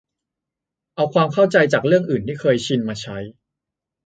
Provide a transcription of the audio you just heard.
เอาความเข้าใจจากเรื่องอื่นที่เคยชินมาใช้